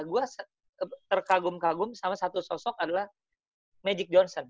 gue terkagum kagum sama satu sosok adalah magic johnson